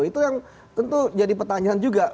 itu yang tentu jadi pertanyaan juga